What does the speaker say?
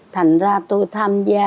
thành ra tôi tham gia